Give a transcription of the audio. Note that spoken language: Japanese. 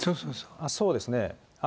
そうですね。